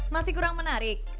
masih kurang menarik